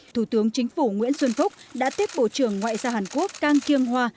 thủ tướng chính phủ nguyễn xuân phúc đã tiếp bộ trưởng ngoại giao hàn quốc cang kiêng hoa